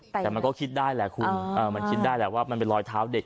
แต่ก็คิดได้เลยคุณคุณมันคิดได้ว่ามันเป็นลอยเท้าเด็ก